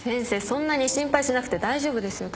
そんなに心配しなくて大丈夫ですよ。